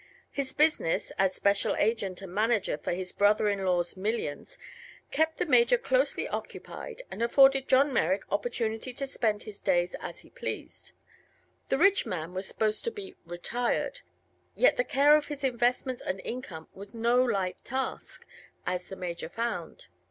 His business, as special agent and manager for his brother in law's millions, kept the Major closely occupied and afforded John Merrick opportunity to spend his days as be pleased. The rich man was supposed to be "retired," yet the care of his investments and income was no light task, as the Major found.